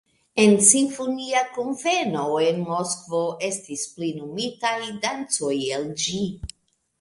En simfonia kunveno en Moskvo estis plenumitaj dancoj el ĝi.